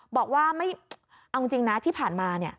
บอกว่าไม่เอาจริงนะที่ผ่านมา